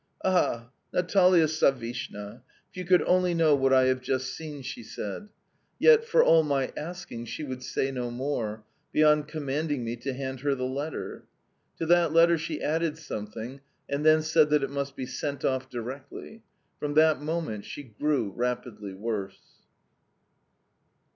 "'Ah, Natalia Savishna, if you could only know what I have just seen!' she said; yet, for all my asking, she would say no more, beyond commanding me to hand her the letter. To that letter she added something, and then said that it must be sent off directly. From that moment she grew, rapidly worse."